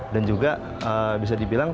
dan juga bisa dibilang